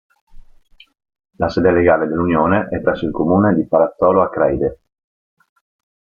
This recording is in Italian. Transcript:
La sede legale dell'Unione è presso il comune di Palazzolo Acreide.